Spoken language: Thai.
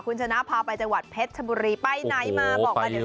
คุณชนะพาไปจังหวัดเพชรชบุรีไปไหนมาบอกกันเดี๋ยว